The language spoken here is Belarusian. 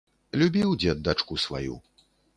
Любіў дзед дачку сваю.